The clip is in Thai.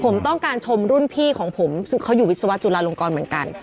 มันก็เลยเครื่องข้างเครื่องข้าง